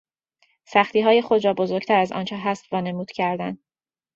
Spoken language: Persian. سختیهای خود را بزرگتر از آنچه هست وانمود کردن